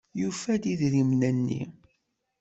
Yufa-d idrimen-nni.